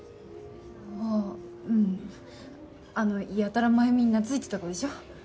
ああうんあのやたら繭美になついてた子でしょ？